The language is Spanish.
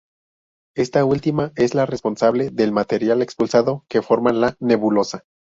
Esta última es la responsable del material expulsado que forma la nebulosa.